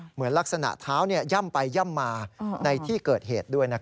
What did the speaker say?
เหมือนลักษณะเท้าย่ำไปย่ำมาในที่เกิดเหตุด้วย